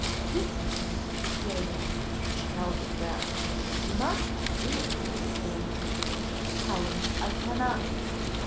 "Listen to me, Cecilia;" she held her fast. "You must do it, Cecilia." "Helen, I cannot."